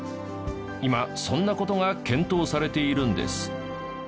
今そんな事が検討されているんです。